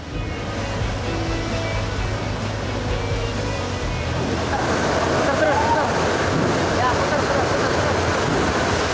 ini adalah bentuk awal toples kaca yang dibuat